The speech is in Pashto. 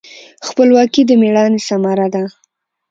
خپلواکي د میړانې ثمره ده.